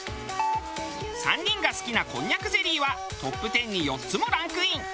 ３人が好きなこんにゃくゼリーはトップ１０に４つもランクイン。